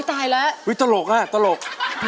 ตายแล้วอุ๊ยตลกอ่ะตลก